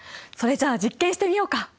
それじゃあ実験してみようか。